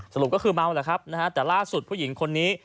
สรุปก็คือเมาแหละครับนะฮะแต่ล่าสุดผู้หญิงคนนี้